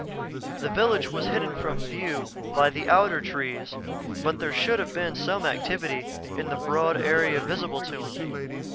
The village was hidden from view by the outer trees but there should have been some activity in the broad area visible to him.